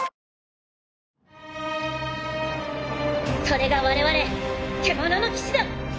それが我々獣の騎士団！